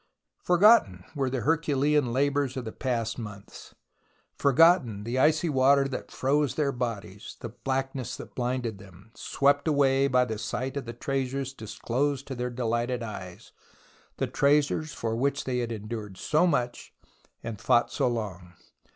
Forgotten were the herculean labours of the past months, forgotten the icy water that froze their bodies, the blackness that blinded them, swept away by the sight of the treasures disclosed to their delighted eyes, the treasures for which they had endured so much and fought so long.